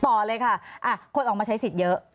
ต่อเลยค่ะคนออกมาใช้สิทธิ์เยอะ